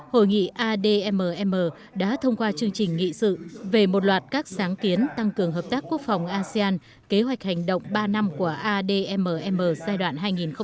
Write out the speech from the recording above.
hội nghị admm đã thông qua chương trình nghị sự về một loạt các sáng kiến tăng cường hợp tác quốc phòng asean kế hoạch hành động ba năm của admm giai đoạn hai nghìn hai mươi hai nghìn hai mươi năm